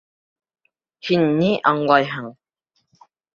Һин ни аңлайһың?